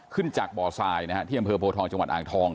ขึ้นจากบ่อทรายที่บโภทองจังหวัดอ่างทอง